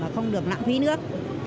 không được lãng phí nước